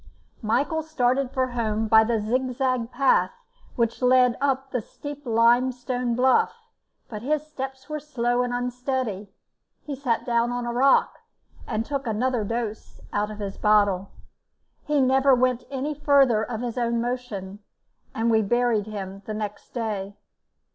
Michael started for home by the zigzag path which led up the steep limestone bluff, but his steps were slow and unsteady; he sat down on a rock, and took another dose out of his bottle. He never went any further of his own motion, and we buried him next day.